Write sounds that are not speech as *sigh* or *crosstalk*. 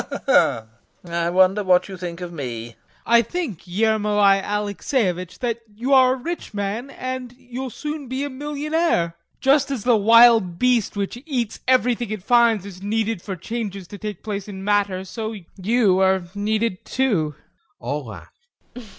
LOPAKHIN. *laughs* I wonder what you think of me? TROFIMOV. I think, Ermolai Alexeyevitch, that you're a rich man, and you'll soon be a millionaire. Just as the wild beast which eats everything it finds is needed for changes to take place in matter, so you are needed too. [All laugh.